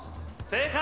正解！